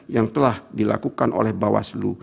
yang telah dilakukan oleh bawah selu